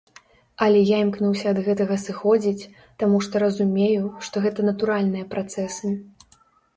Але я імкнуся ад гэтага сыходзіць, таму што разумею, што гэта натуральныя працэсы.